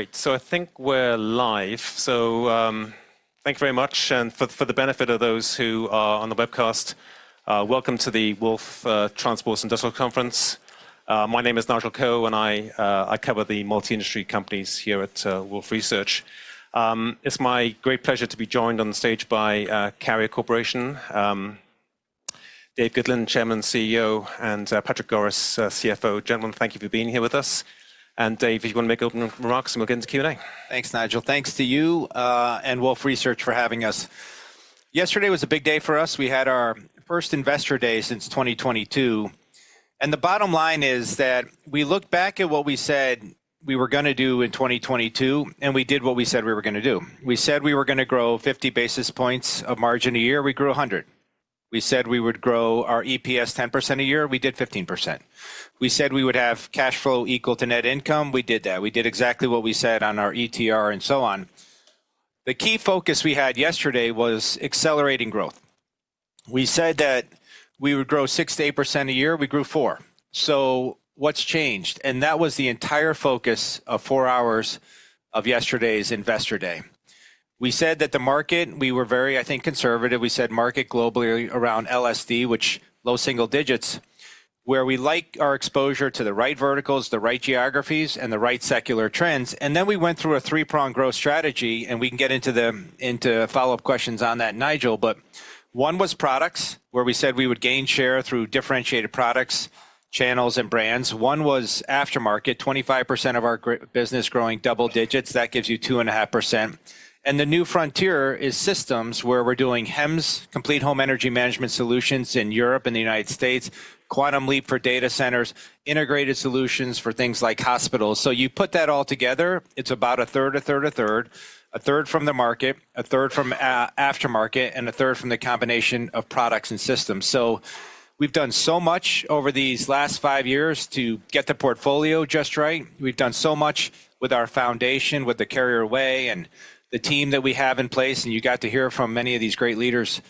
Great. I think we are live. Thank you very much. For the benefit of those who are on the webcast, welcome to the Wolfe Transport and Industrial Conference. My name is Nigel Coe, and I cover the multi-industry companies here at Wolfe Research. It is my great pleasure to be joined on the stage by Carrier Corporation, David Gitlin, Chairman and CEO, and Patrick Goris, CFO. Gentlemen, thank you for being here with us. David, if you want to make open remarks, we will get into Q&A. Thanks, Nigel. Thanks to you and Wolfe Research for having us. Yesterday was a big day for us. We had our first Investor Day since 2022. The bottom line is that we look back at what we said we were going to do in 2022, and we did what we said we were going to do. We said we were going to grow 50 basis points of margin a year. We grew 100. We said we would grow our EPS 10% a year. We did 15%. We said we would have cash flow equal to net income. We did that. We did exactly what we said on our ETR and so on. The key focus we had yesterday was accelerating growth. We said that we would grow 6-8% a year. We grew 4%. What has changed? That was the entire focus of four hours of yesterday's investor day. We said that the market, we were very, I think, conservative. We said market globally around LSD, which is low single digits, where we like our exposure to the right verticals, the right geographies, and the right secular trends. We went through a three-pronged growth strategy. We can get into the follow-up questions on that, Nigel. One was products, where we said we would gain share through differentiated products, channels, and brands. One was aftermarket, 25% of our business growing double digits. That gives you 2.5%. The new frontier is systems, where we're doing HEMS, complete home energy management solutions in Europe and the United States, Quantum Leap for data centers, integrated solutions for things like hospitals. You put that all together, it's about a third, a third, a third, a third from the market, a third from aftermarket, and a third from the combination of products and systems. We've done so much over these last five years to get the portfolio just right. We've done so much with our foundation, with the Carrier way and the team that we have in place. You got to hear from many of these great leaders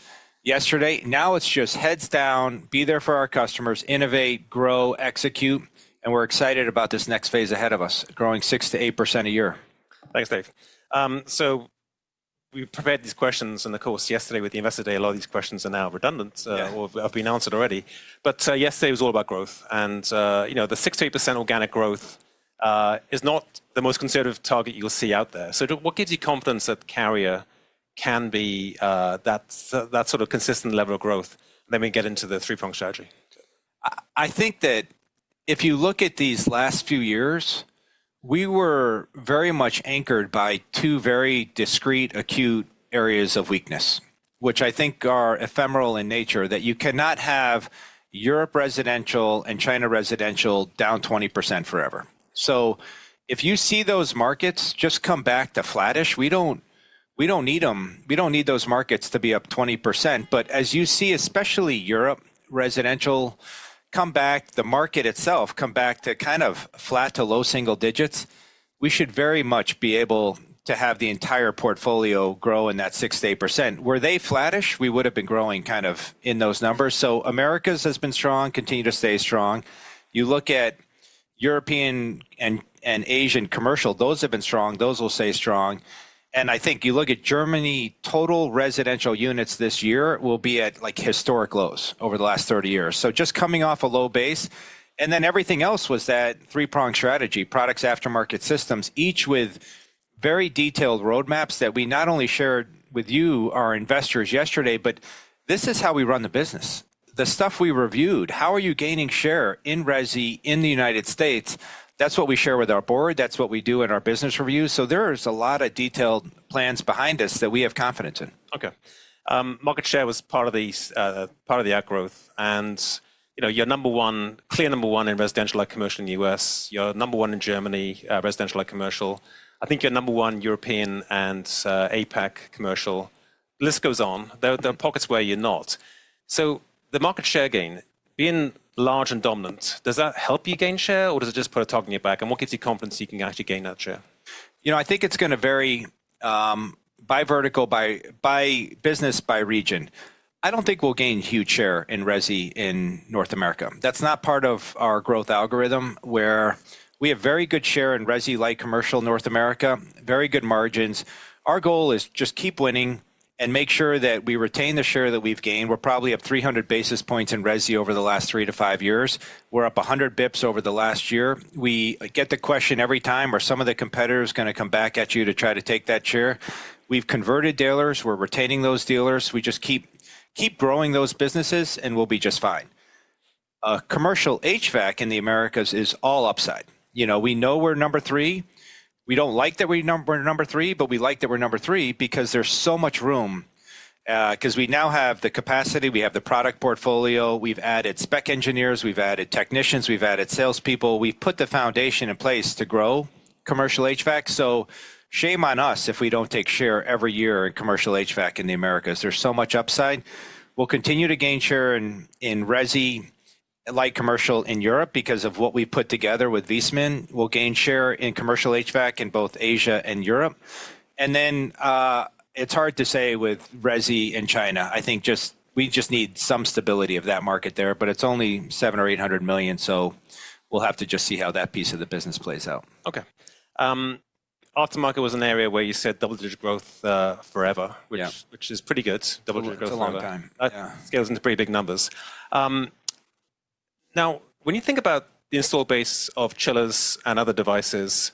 yesterday. Now it's just heads down, be there for our customers, innovate, grow, execute. We're excited about this next phase ahead of us, growing 6-8% a year. Thanks, Dave. We prepared these questions in the course yesterday. With the Investor Day, a lot of these questions are now redundant or have been answered already. Yesterday was all about growth. The 6-8% organic growth is not the most conservative target you'll see out there. What gives you confidence that Carrier can be that sort of consistent level of growth? We get into the three-pronged strategy. I think that if you look at these last few years, we were very much anchored by two very discrete acute areas of weakness, which I think are ephemeral in nature, that you cannot have Europe residential and China residential down 20% forever. If you see those markets just come back to flattish, we do not need them. We do not need those markets to be up 20%. As you see, especially Europe residential, come back, the market itself come back to kind of flat to low single digits, we should very much be able to have the entire portfolio grow in that 6-8%. Were they flattish, we would have been growing kind of in those numbers. Americas has been strong, continue to stay strong. You look at European and Asian commercial, those have been strong. Those will stay strong. I think you look at Germany, total residential units this year will be at historic lows over the last 30 years. Just coming off a low base. Everything else was that three-pronged strategy, products, aftermarket, systems, each with very detailed roadmaps that we not only shared with you, our investors, yesterday, but this is how we run the business. The stuff we reviewed, how are you gaining share in resi in the United States? That is what we share with our board. That is what we do in our business review. There is a lot of detailed plans behind us that we have confidence in. OK. Market share was part of the outgrowth. And your number one, clear number one in residential light commercial in the U.S., your number one in Germany residential light commercial. I think your number one European and APAC commercial. The list goes on. There are pockets where you're not. So the market share gain, being large and dominant, does that help you gain share or does it just put a target in your back? And what gives you confidence you can actually gain that share? You know, I think it's going to vary by vertical, by business, by region. I don't think we'll gain huge share in resi in North America. That's not part of our growth algorithm, where we have very good share in resi light commercial North America, very good margins. Our goal is just keep winning and make sure that we retain the share that we've gained. We're probably up 300 basis points in resi over the last three to five years. We're up 100 basis points over the last year. We get the question every time, are some of the competitors going to come back at you to try to take that share? We've converted dealers. We're retaining those dealers. We just keep growing those businesses, and we'll be just fine. Commercial HVAC in the Americas is all upside. We know we're number three. We do not like that we are number three, but we like that we are number three because there is so much room, because we now have the capacity. We have the product portfolio. We have added spec engineers. We have added technicians. We have added salespeople. We have put the foundation in place to grow commercial HVAC. Shame on us if we do not take share every year in commercial HVAC in the Americas. There is so much upside. We will continue to gain share in resi light commercial in Europe because of what we put together with Viessmann. We will gain share in commercial HVAC in both Asia and Europe. It is hard to say with resi in China. I think we just need some stability of that market there. It is only $700 million or $800 million. We will have to just see how that piece of the business plays out. OK. Aftermarket was an area where you said double-digit growth forever, which is pretty good. It's a long time. It scales into pretty big numbers. Now, when you think about the install base of chillers and other devices,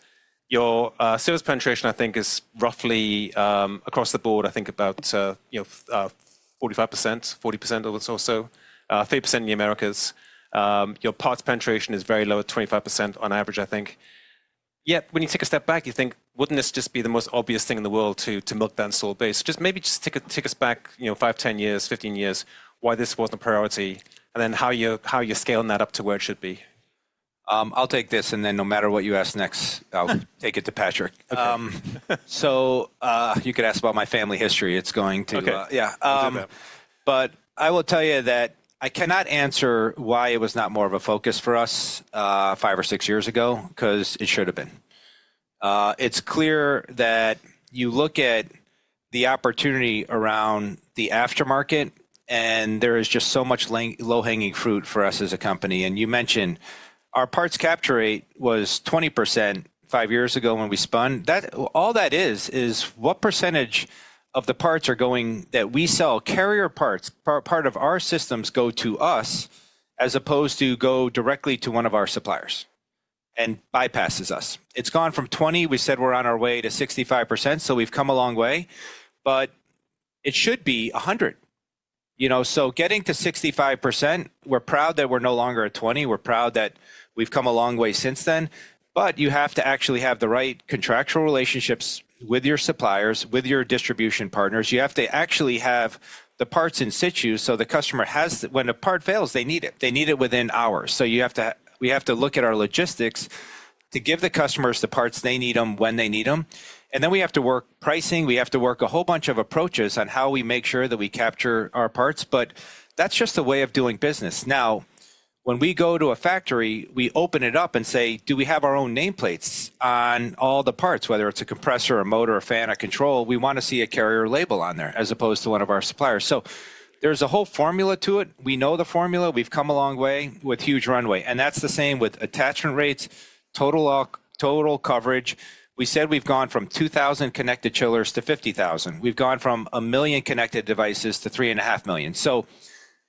your service penetration, I think, is roughly across the board, I think about 45%, 40% or so, 3% in the Americas. Your parts penetration is very low, at 25% on average, I think. Yet, when you take a step back, you think, would not this just be the most obvious thing in the world to milk that install base? Just maybe just take us back 5 years, 10 years, 15 years, why this was not a priority, and then how you are scaling that up to where it should be. I'll take this. And then no matter what you ask next, I'll take it to Patrick. So you could ask about my family history. It's going to. OK. Yeah. I will tell you that I cannot answer why it was not more of a focus for us five or six years ago, because it should have been. It is clear that you look at the opportunity around the aftermarket, and there is just so much low-hanging fruit for us as a company. You mentioned our parts capture rate was 20% five years ago when we spun. All that is, is what percentage of the parts are going that we sell Carrier parts, part of our systems go to us, as opposed to go directly to one of our suppliers and bypasses us. It has gone from 20%. We said we are on our way to 65%. We have come a long way. It should be 100%. Getting to 65%, we are proud that we are no longer at 20%. We are proud that we have come a long way since then. You have to actually have the right contractual relationships with your suppliers, with your distribution partners. You have to actually have the parts in situ. The customer has, when a part fails, they need it. They need it within hours. We have to look at our logistics to give the customers the parts they need when they need them. We have to work pricing. We have to work a whole bunch of approaches on how we make sure that we capture our parts. That is just a way of doing business. Now, when we go to a factory, we open it up and say, do we have our own nameplates on all the parts, whether it is a compressor, a motor, a fan, a control? We want to see a Carrier label on there, as opposed to one of our suppliers. There is a whole formula to it. We know the formula. We have come a long way with huge runway. That is the same with attachment rates, total coverage. We said we have gone from 2,000 connected chillers to 50,000. We have gone from a million connected devices to 3.5 million.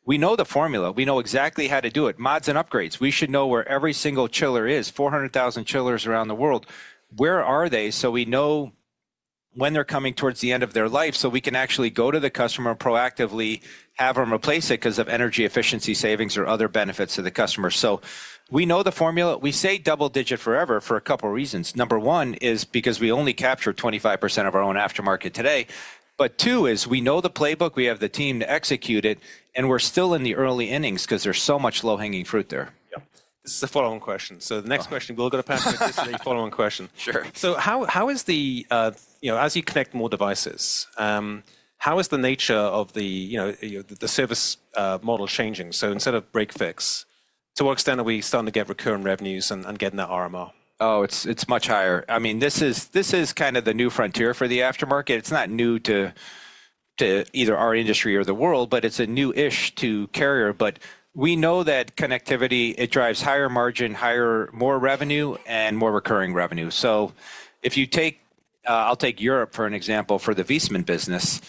We know the formula. We know exactly how to do it, mods and upgrades. We should know where every single chiller is, 400,000 chillers around the world. Where are they? We know when they are coming towards the end of their life, so we can actually go to the customer proactively, have them replace it because of energy efficiency savings or other benefits to the customer. We know the formula. We say double-digit forever for a couple of reasons. Number one is because we only capture 25% of our own aftermarket today. Two is we know the playbook. We have the team to execute it. We're still in the early innings because there's so much low-hanging fruit there. This is the follow-on question. The next question, we'll go to Patrick. This is the follow-on question. Sure. How is the, as you connect more devices, how is the nature of the service model changing? Instead of break fix, to what extent are we starting to get recurring revenues and getting that RMR? Oh, it's much higher. I mean, this is kind of the new frontier for the aftermarket. It's not new to either our industry or the world, but it's new-ish to Carrier. I mean, we know that connectivity, it drives higher margin, higher, more revenue, and more recurring revenue. If you take, I'll take Europe for an example for the Viessmann business.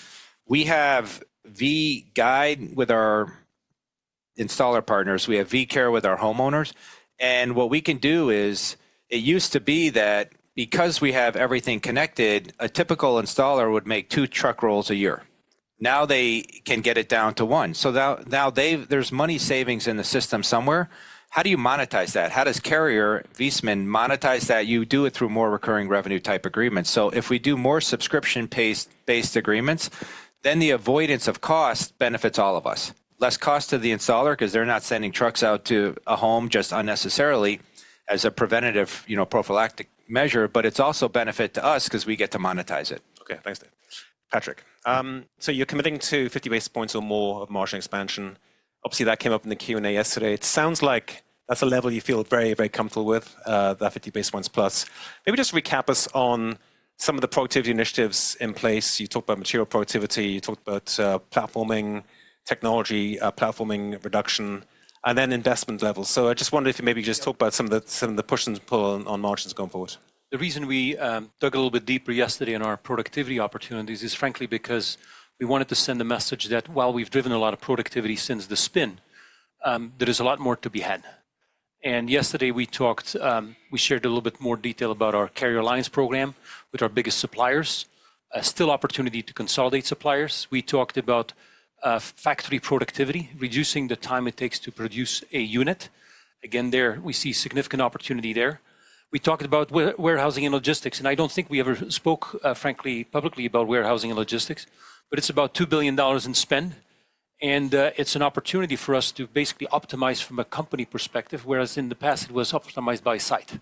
We have V-Guide with our installer partners. We have V-Care with our homeowners. What we can do is it used to be that because we have everything connected, a typical installer would make two truck rolls a year. Now they can get it down to one. Now there's money savings in the system somewhere. How do you monetize that? How does Carrier Viessmann monetize that? You do it through more recurring revenue type agreements. If we do more subscription-based agreements, then the avoidance of cost benefits all of us. Less cost to the installer because they're not sending trucks out to a home just unnecessarily as a preventative prophylactic measure. It is also a benefit to us because we get to monetize it. OK. Thanks, David. Patrick, so you're committing to 50 basis points or more of margin expansion. Obviously, that came up in the Q&A yesterday. It sounds like that's a level you feel very, very comfortable with, that 50 basis points plus. Maybe just recap us on some of the productivity initiatives in place. You talked about material productivity. You talked about platforming technology, platforming reduction, and then investment levels. I just wondered if you maybe just talk about some of the push and pull on margins going forward. The reason we dug a little bit deeper yesterday in our productivity opportunities is, frankly, because we wanted to send the message that while we've driven a lot of productivity since the spin, there is a lot more to be had. Yesterday we talked, we shared a little bit more detail about our Carrier Alliance program with our biggest suppliers, still opportunity to consolidate suppliers. We talked about factory productivity, reducing the time it takes to produce a unit. Again, there we see significant opportunity there. We talked about warehousing and logistics. I do not think we ever spoke, frankly, publicly about warehousing and logistics. It is about $2 billion in spend. It is an opportunity for us to basically optimize from a company perspective, whereas in the past it was optimized by site.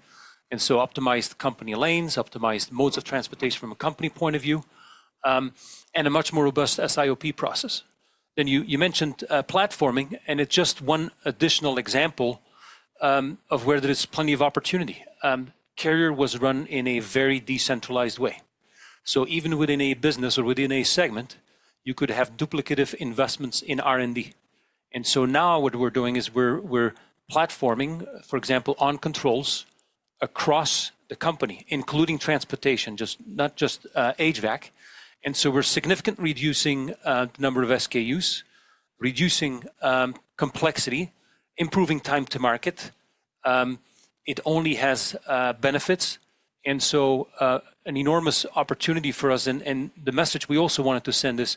Optimized company lanes, optimized modes of transportation from a company point of view, and a much more robust SIOP process. You mentioned platforming. It is just one additional example of where there is plenty of opportunity. Carrier was run in a very decentralized way. Even within a business or within a segment, you could have duplicative investments in R&D. Now what we are doing is we are platforming, for example, on controls across the company, including transportation, not just HVAC. We are significantly reducing the number of SKUs, reducing complexity, improving time to market. It only has benefits. An enormous opportunity for us. The message we also wanted to send is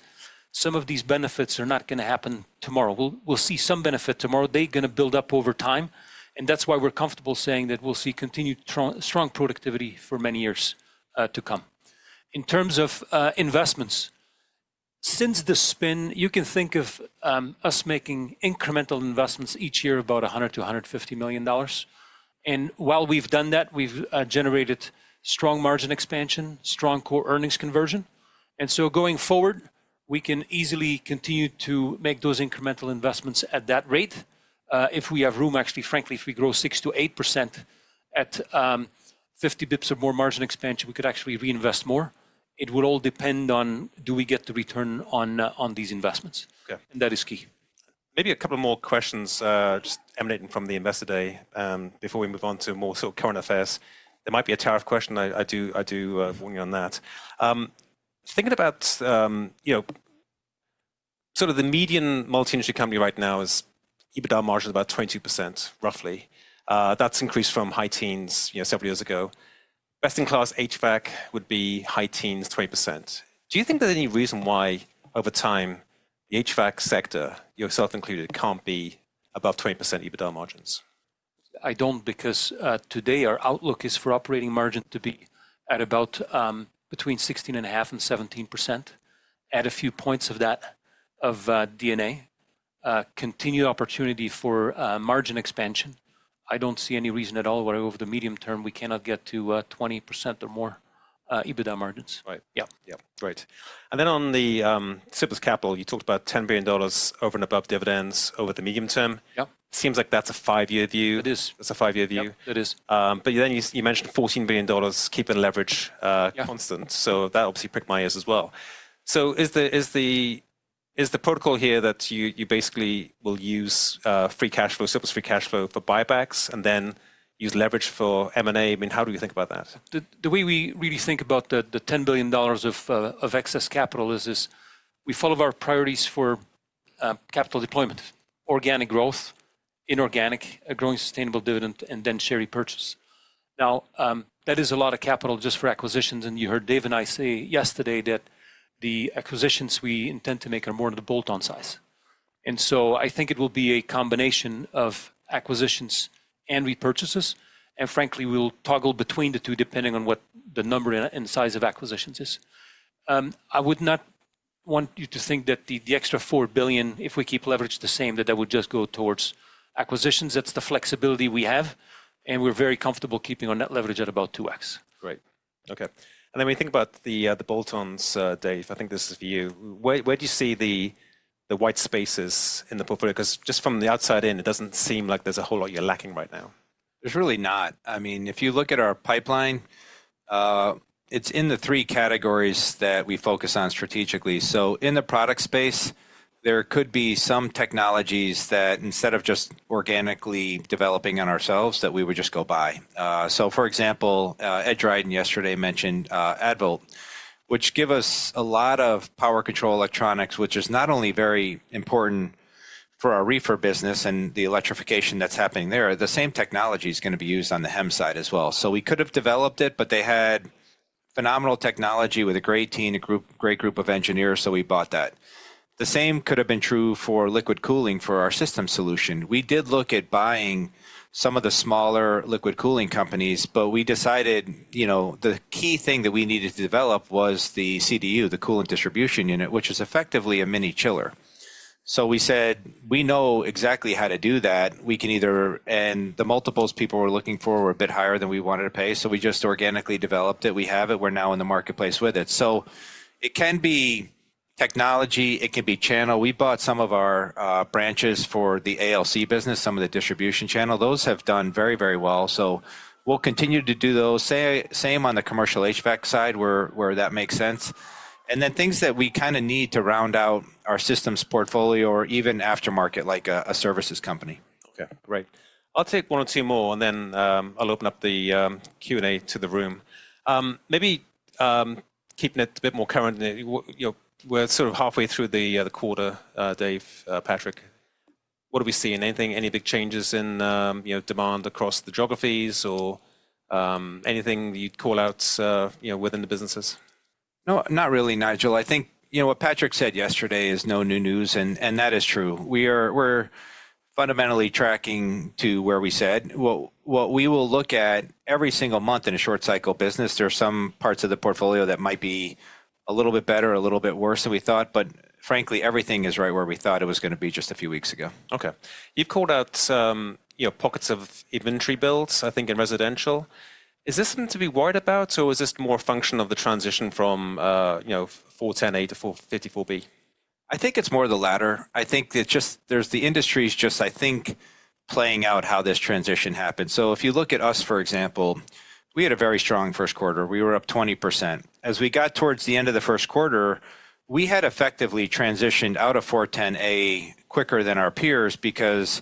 some of these benefits are not going to happen tomorrow. We will see some benefit tomorrow. They are going to build up over time. That is why we're comfortable saying that we'll see continued strong productivity for many years to come. In terms of investments, since the spin, you can think of us making incremental investments each year of about $100 million to $150 million. While we've done that, we've generated strong margin expansion, strong core earnings conversion. Going forward, we can easily continue to make those incremental investments at that rate. If we have room, actually, frankly, if we grow 6%-8% at 50 basis points or more margin expansion, we could actually reinvest more. It would all depend on do we get the return on these investments. That is key. Maybe a couple more questions just emanating from the investor day before we move on to more sort of current affairs. There might be a tariff question. I do warn you on that. Thinking about sort of the median multi-industry company right now is EBITDA margin about 22%, roughly. That has increased from high teens several years ago. Best in class HVAC would be high teens to 20%. Do you think there is any reason why, over time, the HVAC sector, yourself included, cannot be above 20% EBITDA margins? I don't, because today our outlook is for operating margin to be at about between 16.5% and 17%, add a few points of that of DNA, continued opportunity for margin expansion. I don't see any reason at all where, over the medium term, we cannot get to 20% or more EBITDA margins. Right. Yeah. Great. Then on the surplus capital, you talked about $10 billion over and above dividends over the medium term. It seems like that is a five-year view. It is. That's a five-year view. It is. Then you mentioned $14 billion keeping leverage constant. That obviously pricked my ears as well. Is the protocol here that you basically will use free cash flow, surplus free cash flow for buybacks and then use leverage for M&A? I mean, how do you think about that? The way we really think about the $10 billion of excess capital is we follow our priorities for capital deployment, organic growth, inorganic, growing sustainable dividend, and then share repurchase. That is a lot of capital just for acquisitions. You heard Dave and I say yesterday that the acquisitions we intend to make are more in the bolt-on size. I think it will be a combination of acquisitions and repurchases. Frankly, we'll toggle between the two depending on what the number and size of acquisitions is. I would not want you to think that the extra $4 billion, if we keep leverage the same, that that would just go towards acquisitions. That is the flexibility we have. We're very comfortable keeping on that leverage at about 2x. Great. OK. When you think about the bolt-ons, Dave, I think this is for you. Where do you see the white spaces in the portfolio? Because just from the outside in, it does not seem like there is a whole lot you are lacking right now. There's really not. I mean, if you look at our pipeline, it's in the three categories that we focus on strategically. In the product space, there could be some technologies that, instead of just organically developing ourselves, we would just go buy. For example, Ed Ryan yesterday mentioned Eaton, which gives us a lot of power control electronics, which is not only very important for our reefer business and the electrification that's happening there, the same technology is going to be used on the HEMS side as well. We could have developed it, but they had phenomenal technology with a great team, a great group of engineers, so we bought that. The same could have been true for liquid cooling for our system solution. We did look at buying some of the smaller liquid cooling companies, but we decided the key thing that we needed to develop was the CDU, the coolant distribution unit, which is effectively a mini chiller. We said, we know exactly how to do that. We can either. The multiples people were looking for were a bit higher than we wanted to pay. We just organically developed it. We have it. We are now in the marketplace with it. It can be technology. It can be channel. We bought some of our branches for the ALC business, some of the distribution channel. Those have done very, very well. We will continue to do those. Same on the commercial HVAC side where that makes sense. Things that we kind of need to round out our systems portfolio or even aftermarket, like a services company. OK. Great. I'll take one or two more, and then I'll open up the Q&A to the room. Maybe keeping it a bit more current, we're sort of halfway through the quarter, Dave, Patrick. What are we seeing? Any big changes in demand across the geographies or anything you'd call out within the businesses? No, not really, Nigel. I think what Patrick said yesterday is no new news. That is true. We're fundamentally tracking to where we said. What we will look at every single month in a short cycle business, there are some parts of the portfolio that might be a little bit better, a little bit worse than we thought. Frankly, everything is right where we thought it was going to be just a few weeks ago. OK. You've called out pockets of inventory builds, I think, in residential. Is this something to be worried about? Or is this more a function of the transition from 410A to 454B? I think it is more of the latter. I think the industry's just, I think, playing out how this transition happened. If you look at us, for example, we had a very strong first quarter. We were up 20%. As we got towards the end of the first quarter, we had effectively transitioned out of 410A quicker than our peers because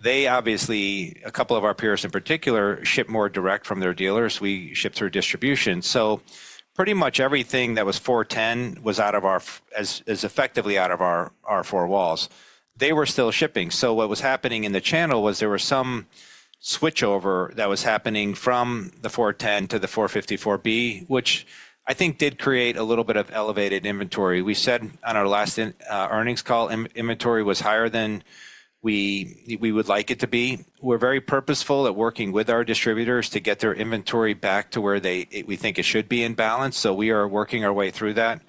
they, obviously, a couple of our peers in particular, ship more direct from their dealers. We ship through distribution. Pretty much everything that was 410A was out of our, is effectively out of our four walls. They were still shipping. What was happening in the channel was there was some switchover that was happening from the 410A to the 454B, which I think did create a little bit of elevated inventory. We said on our last earnings call, inventory was higher than we would like it to be. We're very purposeful at working with our distributors to get their inventory back to where we think it should be in balance. We are working our way through that.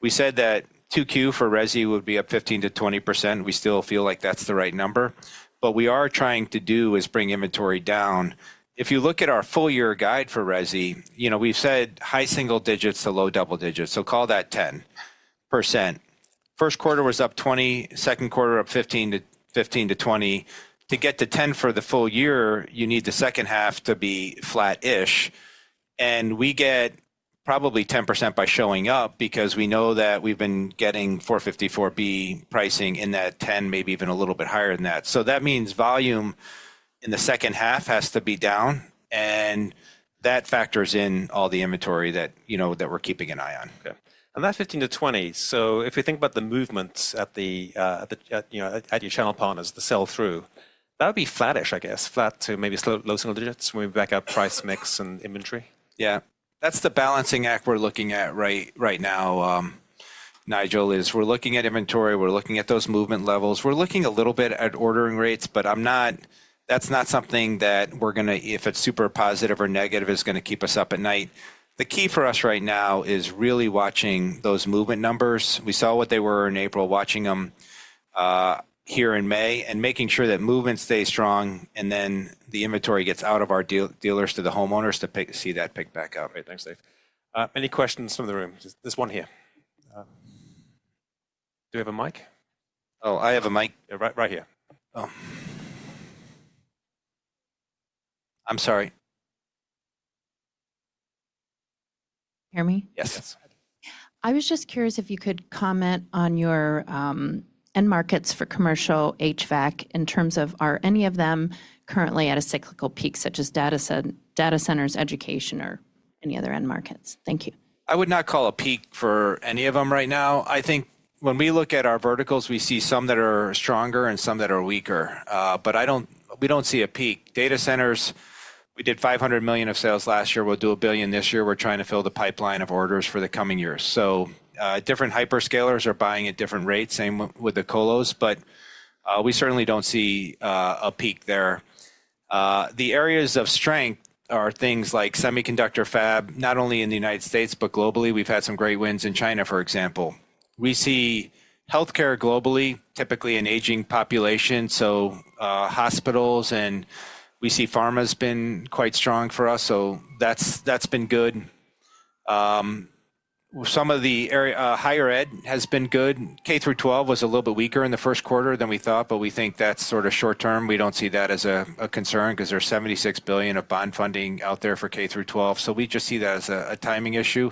We said that 2Q for resi would be up 15%-20%. We still feel like that's the right number. What we are trying to do is bring inventory down. If you look at our full year guide for resi, we've said high single digits to low double digits. Call that 10%. First quarter was up 20%. Second quarter up 15%-20%. To get to 10% for the full year, you need the second half to be flat-ish. We get probably 10% by showing up because we know that we've been getting 454B pricing in that 10%, maybe even a little bit higher than that. That means volume in the second half has to be down. That factors in all the inventory that we're keeping an eye on. OK. And that 15%-20%, so if we think about the movements at your channel partners, the sell-through, that would be flat-ish, I guess. Flat to maybe low single digits when we back up price mix and inventory. Yeah. That is the balancing act we are looking at right now, Nigel, as we are looking at inventory. We are looking at those movement levels. We are looking a little bit at ordering rates. That is not something that we are going to, if it is super positive or negative, is going to keep us up at night. The key for us right now is really watching those movement numbers. We saw what they were in April, watching them here in May, and making sure that movement stays strong. Then the inventory gets out of our dealers to the homeowners to see that pick back up. Great. Thanks, Dave. Any questions from the room? There is one here. Do we have a mic? Oh, I have a mic right here. I'm sorry. Hear me? Yes. I was just curious if you could comment on your end markets for commercial HVAC in terms of, are any of them currently at a cyclical peak, such as data centers, education, or any other end markets? Thank you. I would not call a peak for any of them right now. I think when we look at our verticals, we see some that are stronger and some that are weaker. We do not see a peak. Data centers, we did $500 million of sales last year. We will do $1 billion this year. We are trying to fill the pipeline of orders for the coming years. Different hyperscalers are buying at different rates, same with the colos. We certainly do not see a peak there. The areas of strength are things like semiconductor fab, not only in the United States, but globally. We have had some great wins in China, for example. We see health care globally, typically an aging population, so hospitals. We see pharma has been quite strong for us. That has been good. Some of the higher ed has been good. K-12 was a little bit weaker in the first quarter than we thought. We think that's sort of short term. We don't see that as a concern because there's $76 billion of bond funding out there for K-12. We just see that as a timing issue.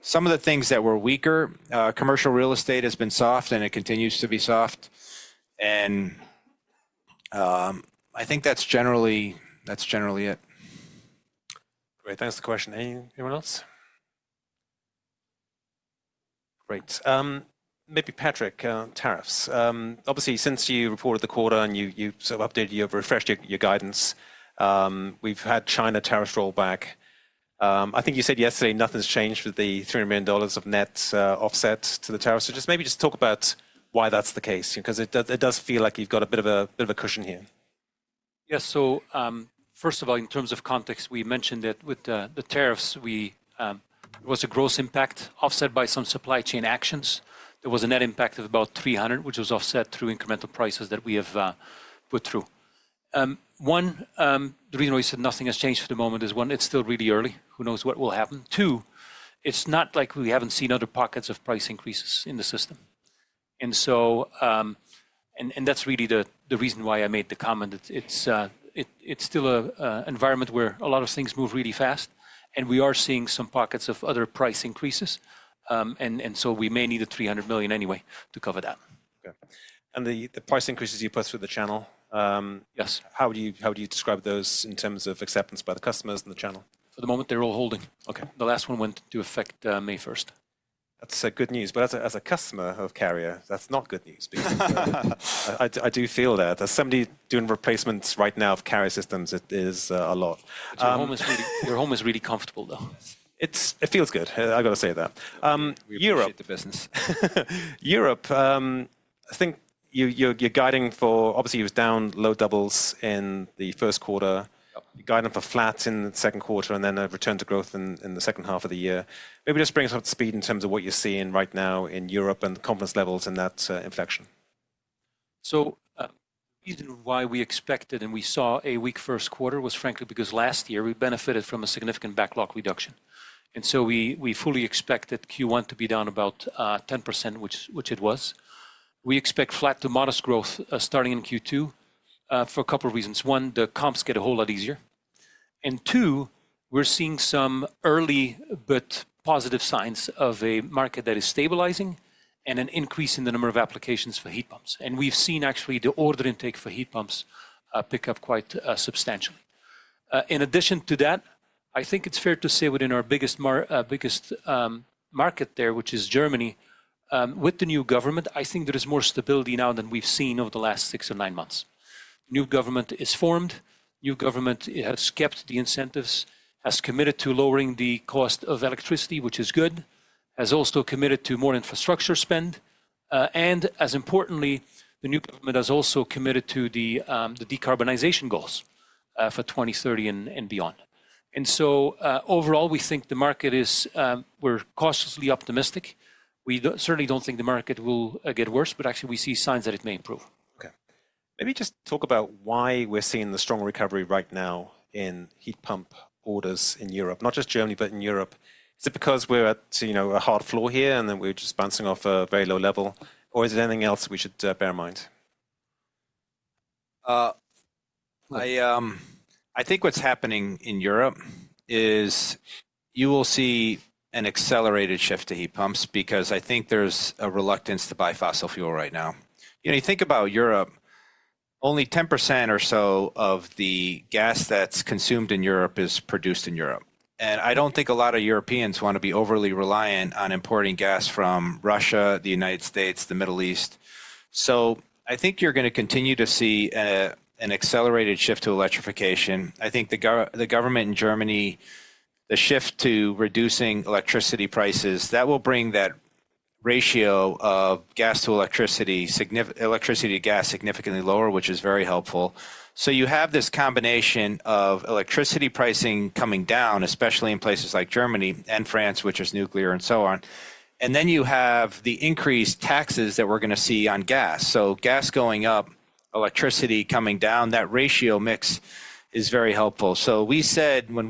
Some of the things that were weaker, commercial real estate has been soft, and it continues to be soft. I think that's generally it. Great. Thanks for the question. Anyone else? Great. Maybe Patrick, tariffs. Obviously, since you reported the quarter and you sort of updated, you've refreshed your guidance, we've had China tariffs roll back. I think you said yesterday nothing's changed with the $300 million of net offset to the tariffs. So just maybe just talk about why that's the case, because it does feel like you've got a bit of a cushion here. Yes. First of all, in terms of context, we mentioned that with the tariffs, there was a gross impact offset by some supply chain actions. There was a net impact of about $300 million, which was offset through incremental prices that we have put through. One, the reason why we said nothing has changed for the moment is, one, it is still really early. Who knows what will happen? Two, it is not like we have not seen other pockets of price increases in the system. That is really the reason why I made the comment. It is still an environment where a lot of things move really fast. We are seeing some pockets of other price increases, and we may need the $300 million anyway to cover that. OK. The price increases you put through the channel, how would you describe those in terms of acceptance by the customers and the channel? For the moment, they're all holding. The last one went into effect May 1st. That's good news. As a customer of Carrier, that's not good news. I do feel that. There's somebody doing replacements right now of Carrier systems. It is a lot. Your home is really comfortable, though. It feels good. I've got to say that. Europe is the business. Europe, I think your guiding for, obviously, it was down low doubles in the first quarter, guiding for flat in the second quarter, and then a return to growth in the second half of the year. Maybe just bring us up to speed in terms of what you're seeing right now in Europe and confidence levels in that inflection. The reason why we expected and we saw a weak first quarter was, frankly, because last year we benefited from a significant backlog reduction. We fully expected Q1 to be down about 10%, which it was. We expect flat to modest growth starting in Q2 for a couple of reasons. One, the comps get a whole lot easier. Two, we're seeing some early but positive signs of a market that is stabilizing and an increase in the number of applications for heat pumps. We've seen, actually, the order intake for heat pumps pick up quite substantially. In addition to that, I think it's fair to say within our biggest market there, which is Germany, with the new government, I think there is more stability now than we've seen over the last six or nine months. New government is formed. new government has kept the incentives, has committed to lowering the cost of electricity, which is good, has also committed to more infrastructure spend. As importantly, the new government has also committed to the decarbonization goals for 2030 and beyond. Overall, we think the market is, we're cautiously optimistic. We certainly don't think the market will get worse. Actually, we see signs that it may improve. OK. Maybe just talk about why we are seeing the strong recovery right now in heat pump orders in Europe, not just Germany, but in Europe. Is it because we are at a hard floor here and then we are just bouncing off a very low level? Or is there anything else we should bear in mind? I think what's happening in Europe is you will see an accelerated shift to heat pumps because I think there's a reluctance to buy fossil fuel right now. You think about Europe, only 10% or so of the gas that's consumed in Europe is produced in Europe. I don't think a lot of Europeans want to be overly reliant on importing gas from Russia, the United States, the Middle East. I think you're going to continue to see an accelerated shift to electrification. I think the government in Germany, the shift to reducing electricity prices, that will bring that ratio of gas to electricity, electricity to gas significantly lower, which is very helpful. You have this combination of electricity pricing coming down, especially in places like Germany and France, which is nuclear and so on. You have the increased taxes that we are going to see on gas. Gas going up, electricity coming down, that ratio mix is very helpful. When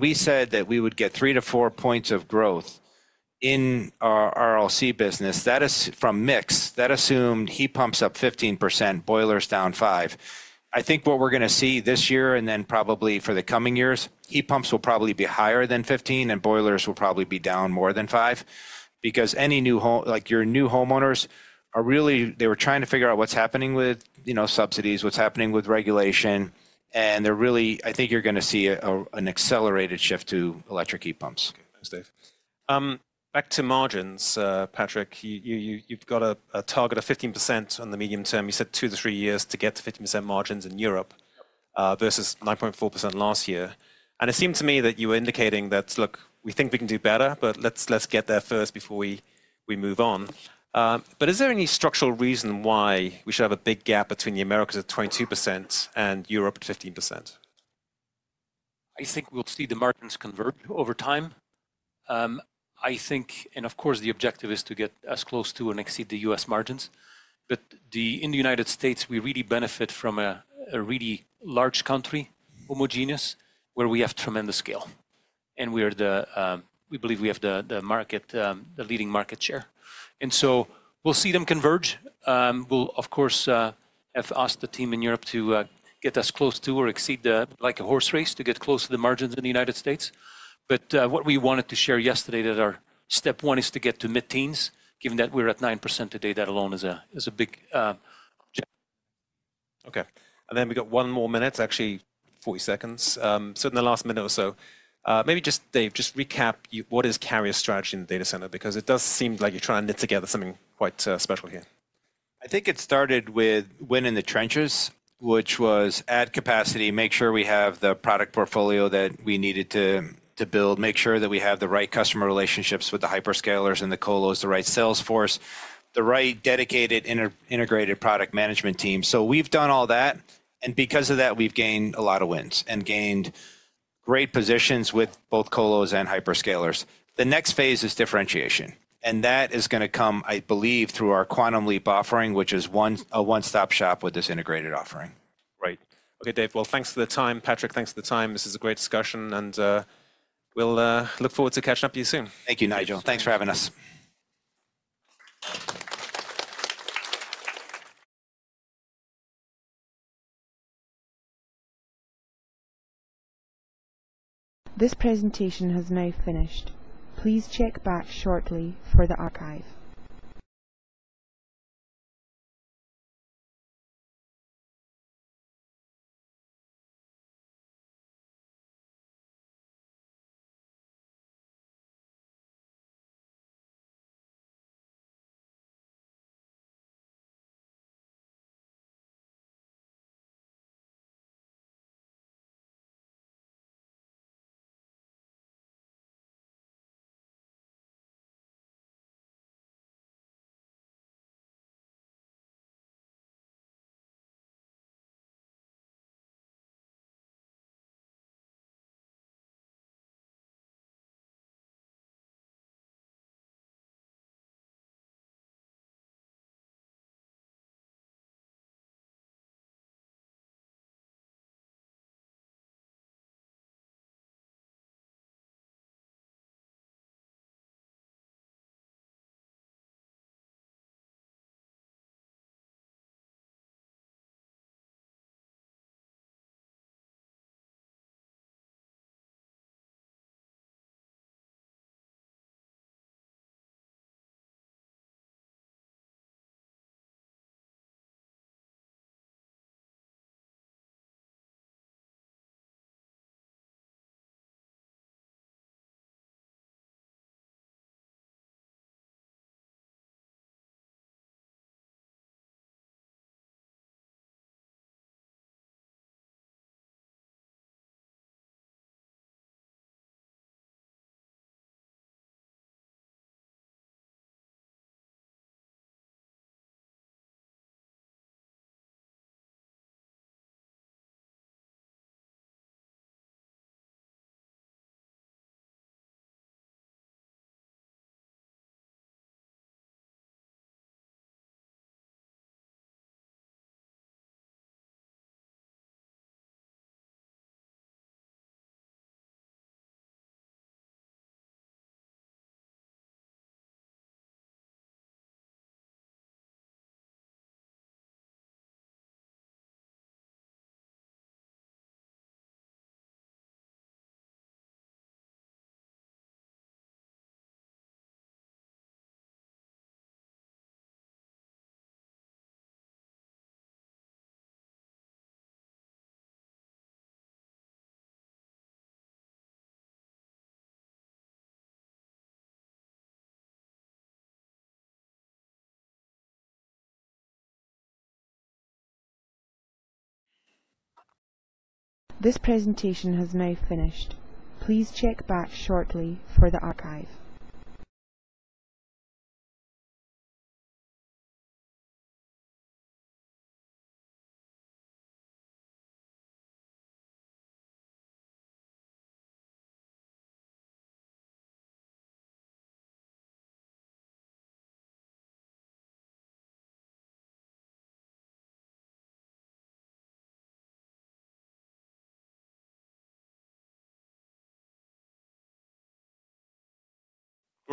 we said that we would get 3-4 points of growth in our RLC business, that is from mix, that assumed heat pumps up 15%, boilers down 5%. I think what we are going to see this year and then probably for the coming years, heat pumps will probably be higher than 15%, and boilers will probably be down more than 5% because any new, like your new homeowners, are really, they were trying to figure out what is happening with subsidies, what is happening with regulation. They are really, I think you are going to see an accelerated shift to electric heat pumps. Thanks, Dave. Back to margins, Patrick. You've got a target of 15% on the medium term. You said two to three years to get to 15% margins in Europe versus 9.4% last year. It seemed to me that you were indicating that, look, we think we can do better, but let's get there first before we move on. Is there any structural reason why we should have a big gap between the Americas at 22% and Europe at 15%? I think we'll see the margins convert over time. I think, and of course, the objective is to get as close to and exceed the U.S. margins. In the United States, we really benefit from a really large country, homogeneous, where we have tremendous scale. We believe we have the market, the leading market share. We will see them converge. We have, of course, asked the team in Europe to get as close to or exceed, like a horse race, to get close to the margins in the United States. What we wanted to share yesterday is that our step one is to get to mid-teens, given that we're at 9% today. That alone is a big objective. OK. We have one more minute, actually 40 seconds. In the last minute or so, maybe just, Dave, just recap what is Carrier's strategy in the data center because it does seem like you are trying to knit together something quite special here. I think it started with win in the trenches, which was add capacity, make sure we have the product portfolio that we needed to build, make sure that we have the right customer relationships with the hyperscalers and the colos, the right sales force, the right dedicated integrated product management team. We have done all that. Because of that, we have gained a lot of wins and gained great positions with both colos and hyperscalers. The next phase is differentiation. That is going to come, I believe, through our Quantum Leap offering, which is a one-stop shop with this integrated offering. Right. OK, Dave. Thanks for the time, Patrick. Thanks for the time. This is a great discussion. We look forward to catching up with you soon. Thank you, Nigel. Thanks for having us. This presentation has now finished. Please check back shortly for the archive.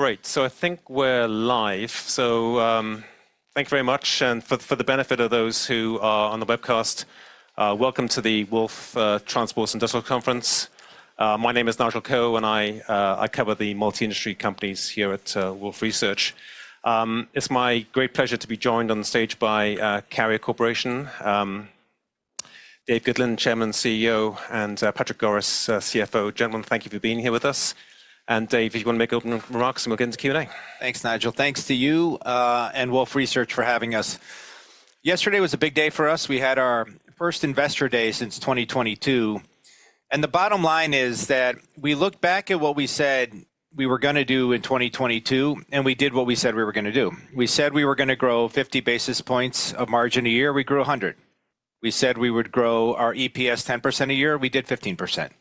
Great. I think we're live. Thank you very much. For the benefit of those who are on the webcast, welcome to the Wolfe Transport and Industrial Conference. My name is Nigel Coe, and I cover the multi-industry companies here at Wolfe Research. It is my great pleasure to be joined on the stage by Carrier Corporation, Dave Gitlin, Chairman and CEO, and Patrick Goris, CFO. Gentlemen, thank you for being here with us. Dave, if you want to make open remarks, we will get into Q&A. Thanks, Nigel. Thanks to you and Wolfe Research for having us. Yesterday was a big day for us. We had our first Investor Day since 2022. The bottom line is that we look back at what we said we were going to do in 2022, and we did what we said we were going to do. We said we were going to grow 50 basis points of margin a year. We grew 100. We said we would grow our EPS 10% a year. We did 15%.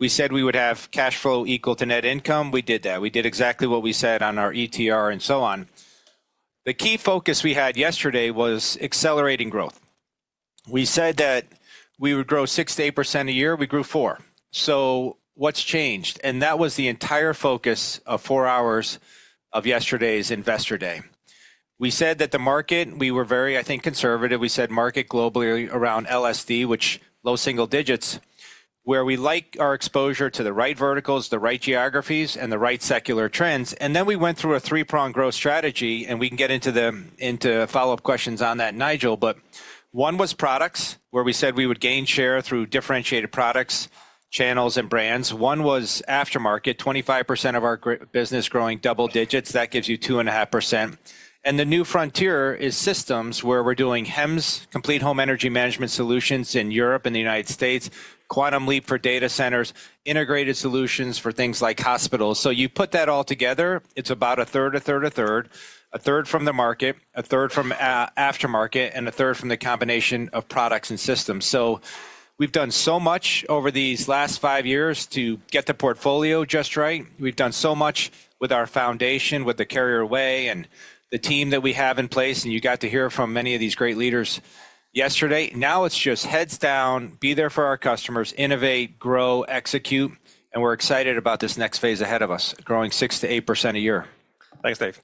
We said we would have cash flow equal to net income. We did that. We did exactly what we said on our ETR and so on. The key focus we had yesterday was accelerating growth. We said that we would grow 6%-8% a year. We grew 4%. What has changed? That was the entire focus of four hours of yesterday's investor day. We said that the market, we were very, I think, conservative. We said market globally around LSD, which is low single digits, where we like our exposure to the right verticals, the right geographies, and the right secular trends. We went through a three-pronged growth strategy. We can get into the follow-up questions on that, Nigel. One was products, where we said we would gain share through differentiated products, channels, and brands. One was aftermarket, 25% of our business growing double digits. That gives you 2.5%. The new frontier is systems, where we are doing HEMS, complete home energy management solutions in Europe and the United States, Quantum Leap for data centers, integrated solutions for things like hospitals. You put that all together, it's about a third, a third, a third from the market, a third from aftermarket, and a third from the combination of products and systems. We've done so much over these last five years to get the portfolio just right. We've done so much with our foundation, with the Carrier Way and the team that we have in place. You got to hear from many of these great leaders yesterday. Now it's just heads down, be there for our customers, innovate, grow, execute. We're excited about this next phase ahead of us, growing 6%-8% a year. Thanks, Dave.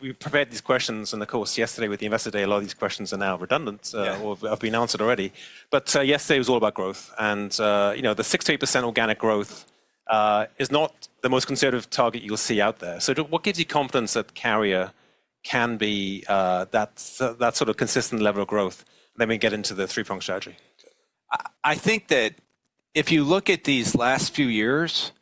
We prepared these questions in the course yesterday. With the Investor Day, a lot of these questions are now redundant or have been answered already. Yesterday was all about growth. The 6%-8% organic growth is not the most conservative target you'll see out there. What gives you confidence that Carrier can be that sort of consistent level of growth? We get into the three-pronged strategy. I think that if you look at these last few years,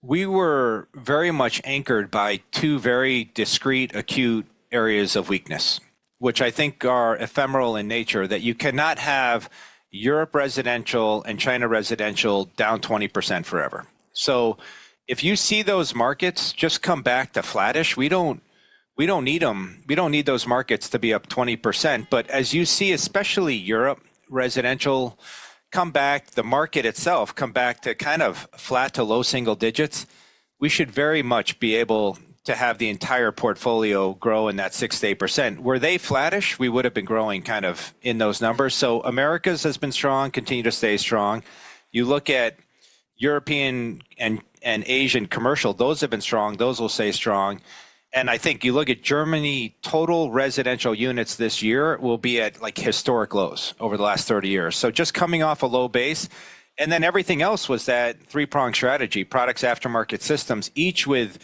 we were very much anchored by two very discrete, acute areas of weakness, which I think are ephemeral in nature, that you cannot have Europe residential and China residential down 20% forever. If you see those markets just come back to flattish, we do not need them. We do not need those markets to be up 20%. As you see, especially Europe residential come back, the market itself come back to kind of flat to low single digits, we should very much be able to have the entire portfolio grow in that 6%-8%. Were they flattish, we would have been growing kind of in those numbers. Americas has been strong, continue to stay strong. You look at European and Asian commercial, those have been strong. Those will stay strong. I think you look at Germany, total residential units this year will be at historic lows over the last 30 years. Just coming off a low base. Everything else was that three-pronged strategy, products, aftermarket, systems, each with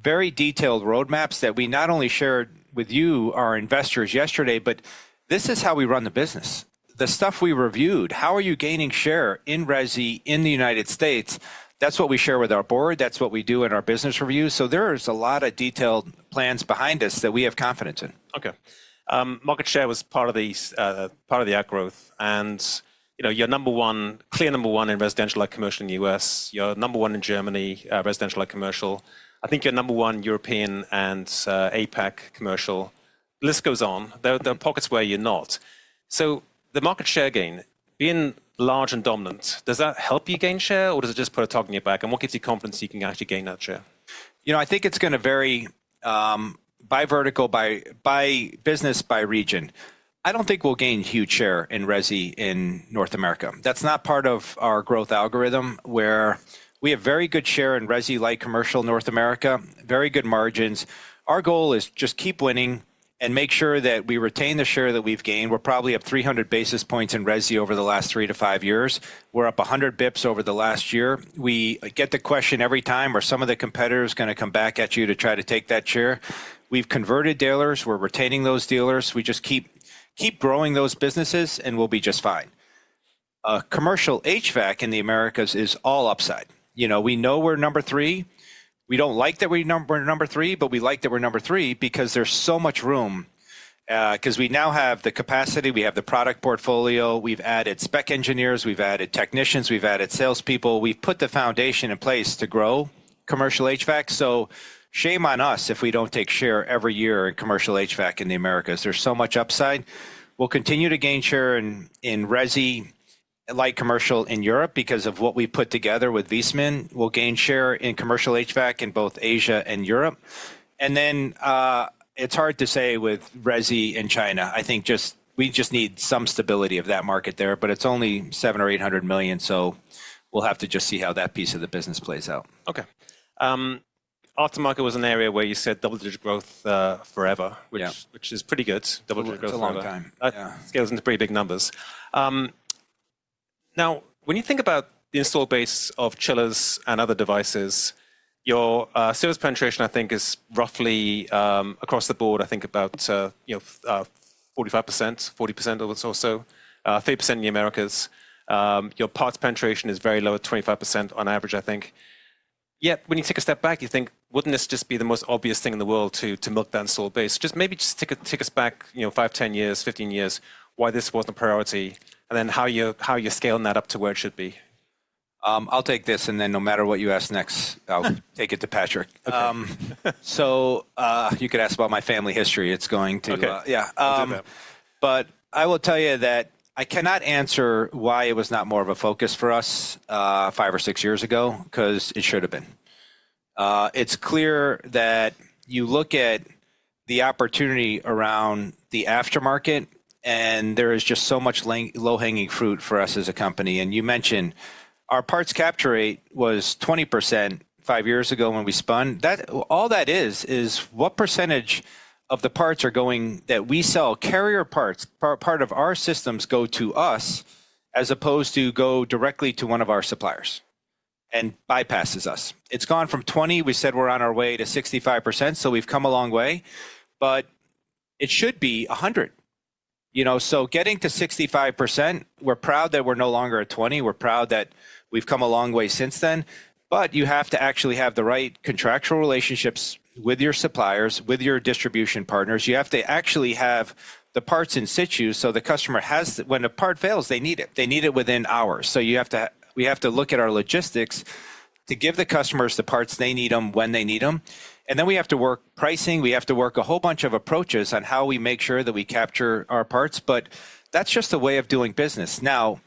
very detailed roadmaps that we not only shared with you, our investors, yesterday, but this is how we run the business. The stuff we reviewed, how are you gaining share in resi in the United States? That is what we share with our board. That is what we do in our business review. There is a lot of detailed plans behind us that we have confidence in. OK. Market share was part of the outgrowth. And your number one, clear number one in residential light commercial in the U.S., your number one in Germany residential light commercial. I think your number one European and APAC commercial. The list goes on. There are pockets where you're not. So the market share gain, being large and dominant, does that help you gain share? Or does it just put a target in your back? And what gives you confidence you can actually gain that share? You know. I think it's going to vary by vertical, by business, by region. I don't think we'll gain huge share in resi in North America. That's not part of our growth algorithm, where we have very good share in resi light commercial North America, very good margins. Our goal is just keep winning and make sure that we retain the share that we've gained. We're probably up 300 basis points in resi over the last three to five years. We're up 100 basis points over the last year. We get the question every time, are some of the competitors going to come back at you to try to take that share? We've converted dealers. We're retaining those dealers. We just keep growing those businesses, and we'll be just fine. Commercial HVAC in the Americas is all upside. We know we're number three. We don't like that we're number three, but we like that we're number three because there's so much room, because we now have the capacity. We have the product portfolio. We've added spec engineers. We've added technicians. We've added salespeople. We've put the foundation in place to grow commercial HVAC. Shame on us if we don't take share every year in commercial HVAC in the Americas. There's so much upside. We'll continue to gain share in resi light commercial in Europe because of what we put together with Viessmann. We'll gain share in commercial HVAC in both Asia and Europe. It's hard to say with resi in China. I think we just need some stability of that market there. It's only $700 million or $800 million. We'll have to just see how that piece of the business plays out. OK. Aftermarket was an area where you said double-digit growth forever, which is pretty good. It's a long time. It scales into pretty big numbers. Now, when you think about the install base of chillers and other devices, your service penetration, I think, is roughly across the board, I think, about 45%, 40% or so, 30% in the Americas. Your parts penetration is very low, at 25% on average, I think. Yet, when you take a step back, you think, would not this just be the most obvious thing in the world to milk that install base? Just maybe just take us back 5, 10 years, 15 years, why this was not a priority, and then how you are scaling that up to where it should be. I'll take this. And then no matter what you ask next, I'll take it to Patrick. You could ask about my family history. It's going to. OK. We'll do that. I will tell you that I cannot answer why it was not more of a focus for us five or six years ago, because it should have been. It's clear that you look at the opportunity around the aftermarket, and there is just so much low-hanging fruit for us as a company. You mentioned our parts capture rate was 20% five years ago when we spun. All that is, is what percentage of the parts that we sell, Carrier parts, part of our systems, go to us, as opposed to go directly to one of our suppliers and bypasses us. It's gone from 20%. We said we're on our way to 65%. We have come a long way. It should be 100%. Getting to 65%, we're proud that we're no longer at 20%. We're proud that we have come a long way since then. You have to actually have the right contractual relationships with your suppliers, with your distribution partners. You have to actually have the parts in situ. The customer has, when a part fails, they need it. They need it within hours. We have to look at our logistics to give the customers the parts they need when they need them. We have to work pricing. We have to work a whole bunch of approaches on how we make sure that we capture our parts. That is just a way of doing business. Now,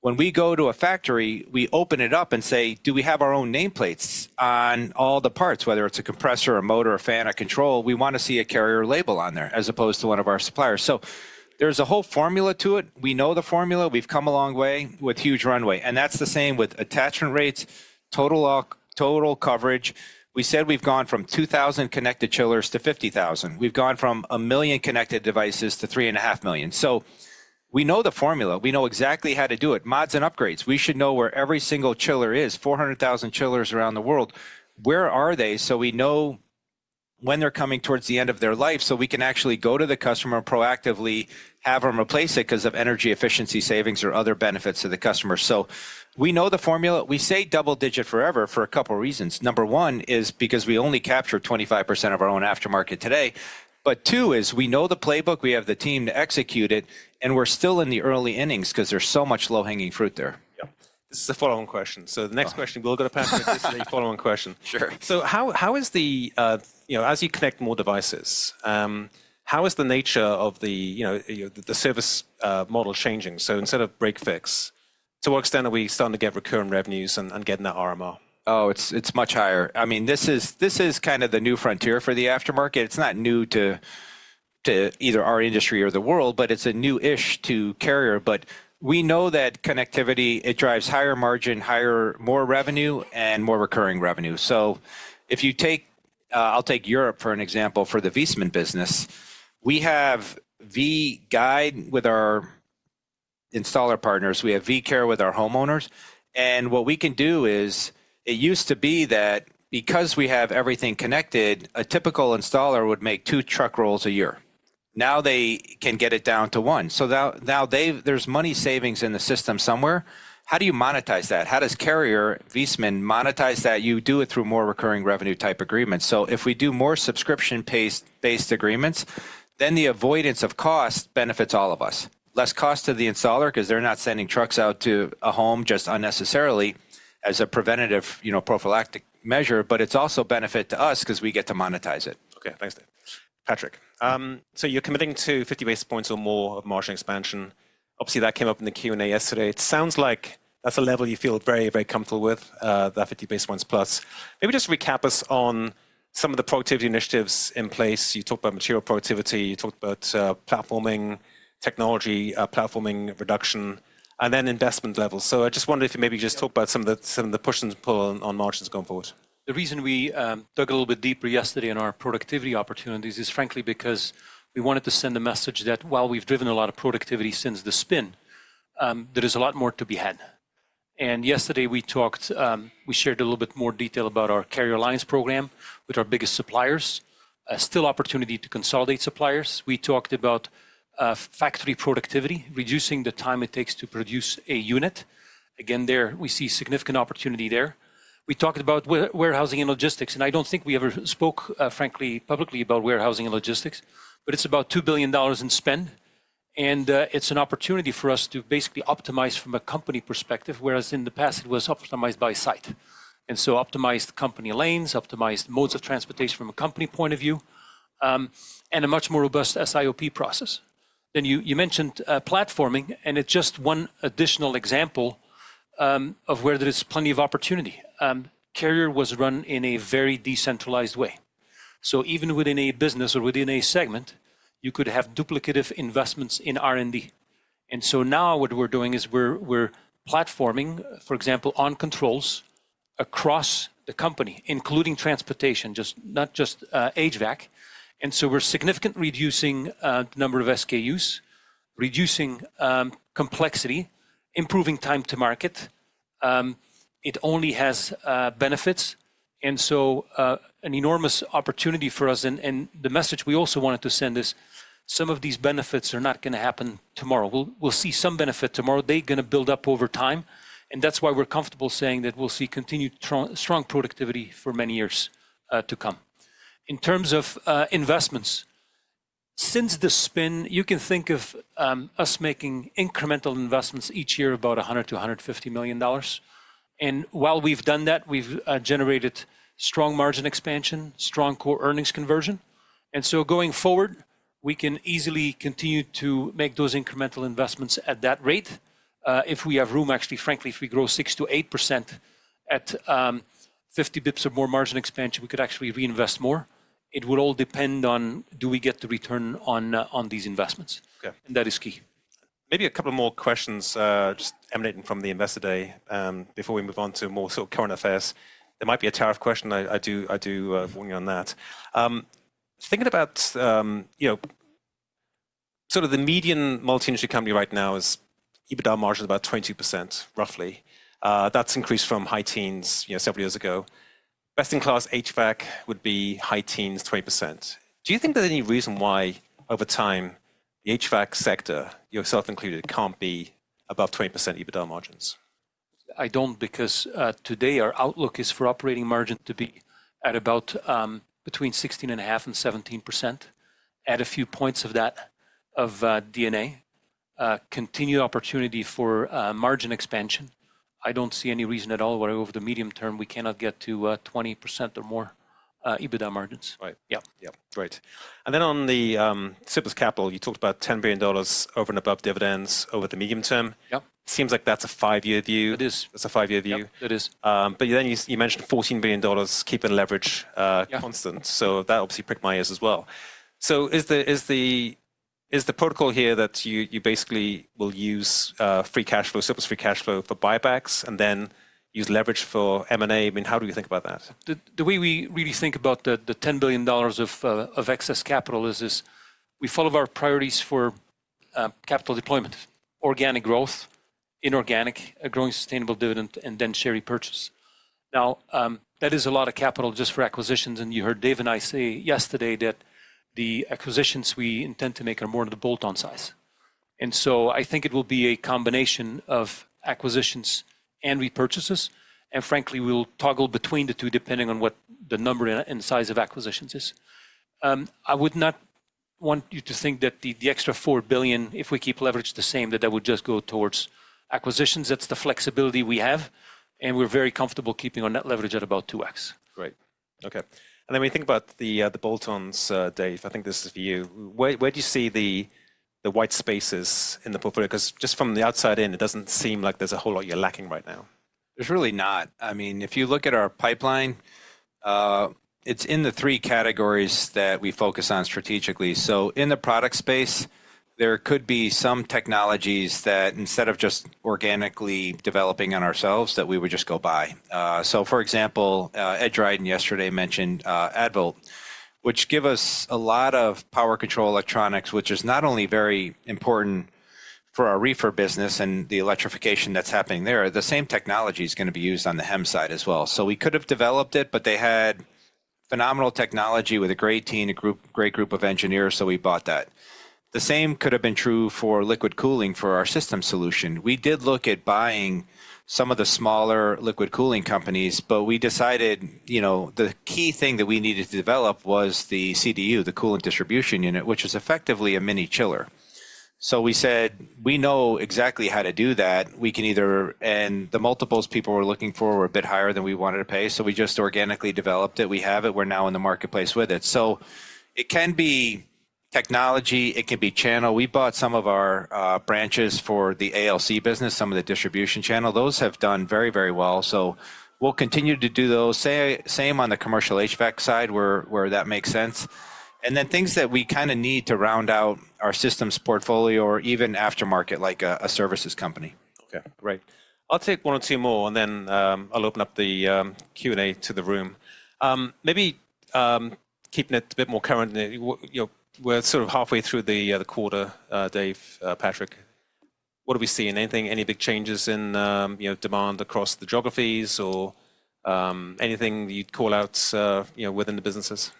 when we go to a factory, we open it up and say, do we have our own nameplates on all the parts, whether it is a compressor, a motor, a fan, a control? We want to see a Carrier label on there, as opposed to one of our suppliers. There is a whole formula to it. We know the formula. We have come a long way with huge runway. That is the same with attachment rates, total coverage. We said we have gone from 2,000 connected chillers to 50,000. We have gone from a million connected devices to 3.5 million. We know the formula. We know exactly how to do it, mods and upgrades. We should know where every single chiller is. 400,000 chillers around the world. Where are they? We know when they are coming towards the end of their life, so we can actually go to the customer proactively, have them replace it because of energy efficiency savings or other benefits to the customer. We know the formula. We say double-digit forever for a couple of reasons. Number one is because we only capture 25% of our own aftermarket today. Two is we know the playbook. We have the team to execute it. We're still in the early innings because there's so much low-hanging fruit there. Yeah. This is the follow-on question. The next question we'll go to Patrick. This is a follow-on question. Sure. How is the, as you connect more devices, how is the nature of the service model changing? Instead of break fix, to what extent are we starting to get recurring revenues and getting that RMR? Oh, it's much higher. I mean, this is kind of the new frontier for the aftermarket. It's not new to either our industry or the world, but it's new-ish to Carrier. But we know that connectivity, it drives higher margin, higher, more revenue, and more recurring revenue. If you take, I'll take Europe for an example for the Viessmann business. We have V-Guide with our installer partners. We have V-Care with our homeowners. What we can do is it used to be that because we have everything connected, a typical installer would make two truck rolls a year. Now they can get it down to one. Now there's money savings in the system somewhere. How do you monetize that? How does Carrier Viessmann monetize that? You do it through more recurring revenue type agreements. If we do more subscription-based agreements, then the avoidance of cost benefits all of us. Less cost to the installer because they're not sending trucks out to a home just unnecessarily as a preventative prophylactic measure. It is also a benefit to us because we get to monetize it. OK. Thanks, David. Patrick, so you're committing to 50 basis points or more of margin expansion. Obviously, that came up in the Q&A yesterday. It sounds like that's a level you feel very, very comfortable with, that 50 basis points plus. Maybe just recap us on some of the productivity initiatives in place. You talked about material productivity. You talked about platforming technology, platforming reduction, and then investment levels. I just wondered if you maybe just talk about some of the push and pull on margins going forward. The reason we dug a little bit deeper yesterday in our productivity opportunities is, frankly, because we wanted to send a message that while we've driven a lot of productivity since the spin, there is a lot more to be had. Yesterday we talked, we shared a little bit more detail about our Carrier Alliance program with our biggest suppliers, still opportunity to consolidate suppliers. We talked about factory productivity, reducing the time it takes to produce a unit. Again, there we see significant opportunity there. We talked about warehousing and logistics. I do not think we ever spoke, frankly, publicly about warehousing and logistics. It is about $2 billion in spend. It is an opportunity for us to basically optimize from a company perspective, whereas in the past it was optimized by site. Optimized company lanes, optimized modes of transportation from a company point of view, and a much more robust SIOP process. You mentioned platforming. It is just one additional example of where there is plenty of opportunity. Carrier was run in a very decentralized way. Even within a business or within a segment, you could have duplicative investments in R&D. Now what we are doing is we are platforming, for example, on controls across the company, including transportation, not just HVAC. We are significantly reducing the number of SKUs, reducing complexity, improving time to market. It only has benefits. It is an enormous opportunity for us. The message we also wanted to send is some of these benefits are not going to happen tomorrow. We will see some benefit tomorrow. They are going to build up over time. That is why we're comfortable saying that we'll see continued strong productivity for many years to come. In terms of investments, since the spin, you can think of us making incremental investments each year, about $100-$150 million. While we've done that, we've generated strong margin expansion, strong core earnings conversion. Going forward, we can easily continue to make those incremental investments at that rate. If we have room, actually, frankly, if we grow 6%-8% at 50 basis points or more margin expansion, we could actually reinvest more. It would all depend on do we get the return on these investments. That is key. Maybe a couple more questions just emanating from the investor day before we move on to more sort of current affairs. There might be a tariff question. I do warn you on that. Thinking about sort of the median multi-industry company right now, its EBITDA margin is about 22%, roughly. That's increased from high teens several years ago. Best in class HVAC would be high teens to 20%. Do you think there's any reason why, over time, the HVAC sector, yourself included, can't be above 20% EBITDA margins? I don't, because today our outlook is for operating margin to be at about between 16.5% and 17%, add a few points of that of DNA, continued opportunity for margin expansion. I don't see any reason at all where, over the medium term, we cannot get to 20% or more EBITDA margins. Right. Yeah. Yeah. Great. On the surplus capital, you talked about $10 billion over and above dividends over the medium term. It seems like that's a five-year view. It is. That's a five-year view. It is. You mentioned $14 billion keeping leverage constant. That obviously pricked my ears as well. Is the protocol here that you basically will use free cash flow, surplus free cash flow for buybacks, and then use leverage for M&A? I mean, how do you think about that? The way we really think about the $10 billion of excess capital is we follow our priorities for capital deployment, organic growth, inorganic growing sustainable dividend, and then share repurchase. That is a lot of capital just for acquisitions. You heard Dave and I say yesterday that the acquisitions we intend to make are more in the bolt-on size. I think it will be a combination of acquisitions and repurchases. Frankly, we'll toggle between the two depending on what the number and size of acquisitions is. I would not want you to think that the extra $4 billion, if we keep leverage the same, that that would just go towards acquisitions. That is the flexibility we have. We are very comfortable keeping on that leverage at about 2x. Great. OK. When you think about the bolt-ons, Dave, I think this is for you. Where do you see the white spaces in the portfolio? Because just from the outside in, it does not seem like there is a whole lot you are lacking right now. There's really not. I mean, if you look at our pipeline, it's in the three categories that we focus on strategically. In the product space, there could be some technologies that, instead of just organically developing on ourselves, we would just go buy. For example, Ed Ryan yesterday mentioned Eaton, which gives us a lot of power control electronics, which is not only very important for our reefer business and the electrification that's happening there. The same technology is going to be used on the HEMS side as well. We could have developed it, but they had phenomenal technology with a great team, a great group of engineers. We bought that. The same could have been true for liquid cooling for our system solution. We did look at buying some of the smaller liquid cooling companies. We decided the key thing that we needed to develop was the CDU, the coolant distribution unit, which is effectively a mini chiller. We said, we know exactly how to do that. We can either, and the multiples people were looking for were a bit higher than we wanted to pay. We just organically developed it. We have it. We are now in the marketplace with it. It can be technology. It can be channel. We bought some of our branches for the ALC business, some of the distribution channel. Those have done very, very well. We will continue to do those. Same on the commercial HVAC side where that makes sense. Then things that we kind of need to round out our systems portfolio or even aftermarket, like a services company. OK. Great. I'll take one or two more, and then I'll open up the Q&A to the room. Maybe keeping it a bit more current, we're sort of halfway through the quarter, Dave, Patrick. What are we seeing? Any big changes in demand across the geographies or anything you'd call out within the businesses?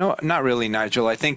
No, not really, Nigel. I.